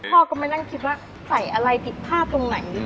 พ่อก็ไม่ได้คิดว่าใส่อะไรติดผ้าตรงไหนบ้าง